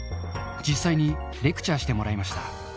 実際にレクチャーしてもらいまし